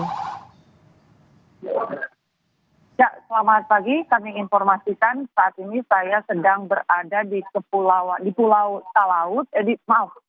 ya selamat pagi kami informasikan saat ini saya sedang berada di pulau talaut